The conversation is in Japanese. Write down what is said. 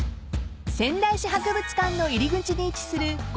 ［仙台市博物館の入り口に位置する］